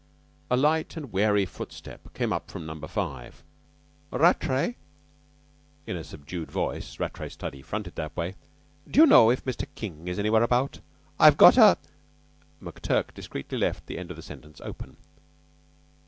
A light and wary footstep came up from Number Five. "Rattray!" in a subdued voice Rattray's study fronted that way. "D'you know if Mr. King's anywhere about? I've got a " McTurk discreetly left the end of the sentence open.